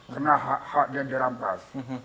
karena hak haknya dirampas